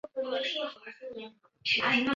民国改为滇中道。